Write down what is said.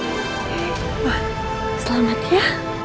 harapan dewi selamat ya